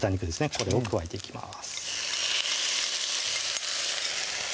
これを加えていきます